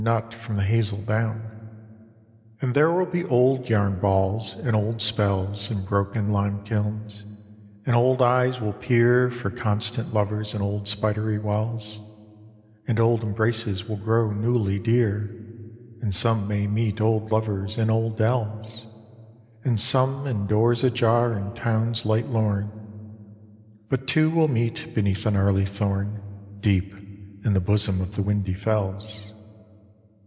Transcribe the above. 90 ALL HALLOWS EVE 91 And there will be old yam balls,^ and old spells In broken lime kilns, and old eyes will peer For constant lovers in old spidery wells,^ And old embraces will grow newly dear. And some may meet old lovers in old dells, And some in doors ajar in towns light lorn ;— But two will meet beneath a gnarly thorn Deep in the bosom of the windy fells.